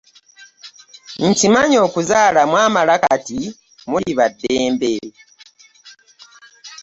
Nkimanyi okuzaala mwamala kati muli ba ddembe.